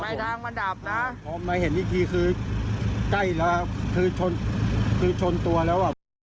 ทางมันดับนะพอมาเห็นอีกทีคือใกล้แล้วคือชนคือชนตัวแล้วอ่ะ